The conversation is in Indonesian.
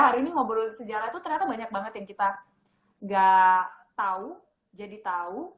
karena itu ternyata banyak banget yang kita gak tahu jadi tahu